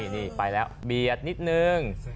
นี่ไปแล้วเบียดนิดนึง